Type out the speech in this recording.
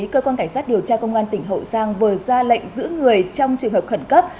cơ quan cảnh sát điều tra công an tỉnh hậu giang vừa ra lệnh giữ người trong trường hợp khẩn cấp